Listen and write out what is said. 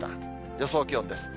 予想気温です。